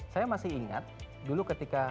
saya masih ingat dulu ketika